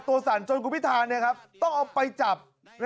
สั่นจนคุณพิธาต้องเอาไปจับ